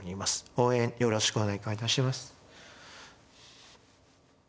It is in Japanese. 応援よろしくお願いいたします。